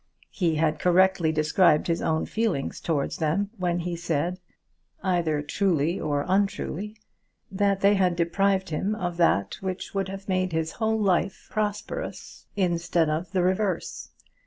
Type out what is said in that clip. He had correctly described his own feelings towards them when he said, either truly or untruly, that they had deprived him of that which would have made his whole life prosperous instead of the reverse.